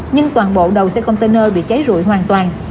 nhưng toàn bộ đầu xe container bị cháy rụi hoàn toàn